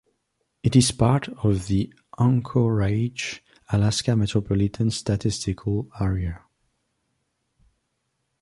It is part of the Anchorage, Alaska Metropolitan Statistical Area.